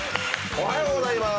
おはようございます。